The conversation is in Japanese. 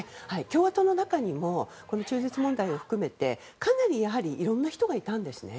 共和党の中にも中絶問題を含めかなりいろんな人がいたんですね。